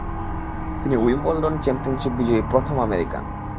তিনি Wimbledon championship বিজয়ী প্রথম আমেরিকান।